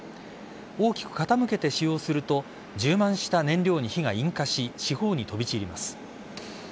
大きく傾けて使用すると充満した燃料に火が引火し四方に飛び散ります。